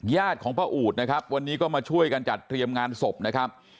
ญาติของพระอูดนะครับวันนี้ก็มาช่วยกันจัดเตรียมงานศพนะครับ